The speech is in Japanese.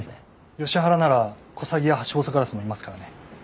ヨシ原ならコサギやハシボソガラスもいますからね。